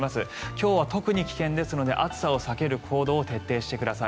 今日は特に危険ですので暑さを避ける行動を徹底してください。